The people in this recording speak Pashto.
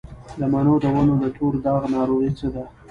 د مڼو د ونو د تور داغ ناروغي څه ده؟